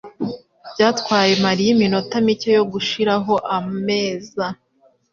Byatwaye Mariya iminota mike yo gushiraho ameza.